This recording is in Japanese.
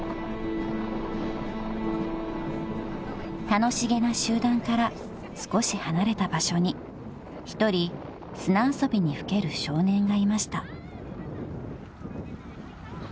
［楽しげな集団から少し離れた場所に１人砂遊びにふける少年がいました］